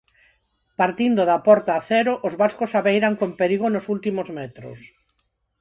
Partindo da porta a cero, os vascos abeiran con perigo nos últimos metros.